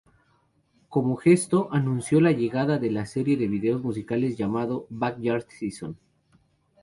Como gesto, anuncio la llegada de una serie de videos musicales llamados "Backyard Sessions".